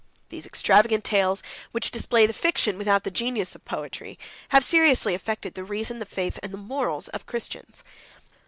These extravagant tales, which display the fiction without the genius, of poetry, have seriously affected the reason, the faith, and the morals, of the Christians.